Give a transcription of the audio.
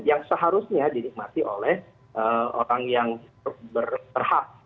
yang seharusnya dinikmati oleh orang yang berhak